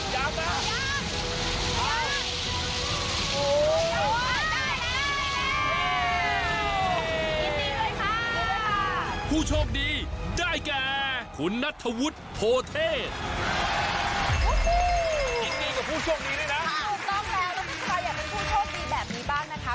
ยินดีกับผู้โชคดีด้วยนะถูกต้องแล้วตรงนี้ใครอยากเป็นผู้โชคดีแบบนี้บ้างนะคะ